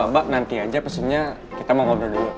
mbak nanti aja pesannya kita mau ngobrol dulu